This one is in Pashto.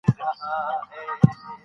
منی د افغانستان د صادراتو برخه ده.